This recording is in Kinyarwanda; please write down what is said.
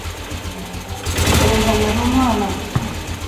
erega nari umwana gusa